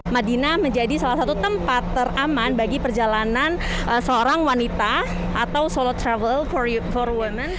madinah menjadi salah satu tempat teraman bagi perjalanan seorang wanita atau solo travel for women